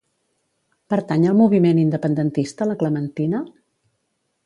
Pertany al moviment independentista la Clementina?